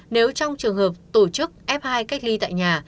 nếu trong trường hợp tổ chức f hai cách ly tại nhà